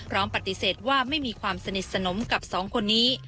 ปฏิเสธว่าไม่มีความสนิทสนมกับสองคนนี้